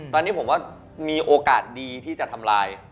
ตอนนี้ผมว่ามีโอกาสดีที่จะทำลาย